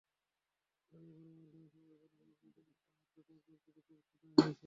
স্থানীয় গণমাধ্যমের খবরে বলা হয়, অগ্নিকাণ্ডে আহত পাঁচ ব্যক্তিকে চিকিৎসা দেওয়া হয়েছে।